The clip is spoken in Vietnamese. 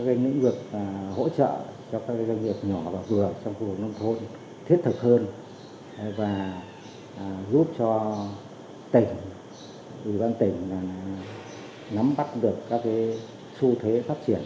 giúp cho tỉnh ủy ban tỉnh nắm bắt được các xu thế phát triển